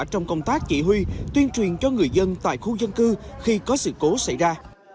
trong công tác chỉ huy tuyên truyền cho người dân tại khu dân cư khi có sự cố xảy ra